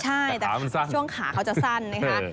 ใช่แต่ช่วงขาเขาจะสั้นนะคะ